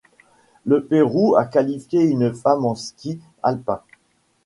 Le Pérou a qualifié une femme en ski alpin.